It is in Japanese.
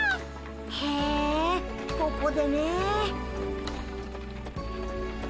へえここでねえ。